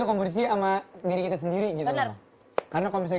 kompetisi komputer aku nggak ada rasa buat kompetisi ya